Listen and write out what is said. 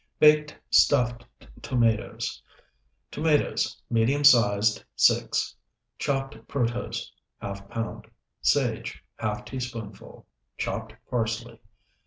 BAKED STUFFED TOMATOES Tomatoes, medium sized, 6. Chopped protose, ½ pound. Sage, ½ teaspoonful. Chopped parsley.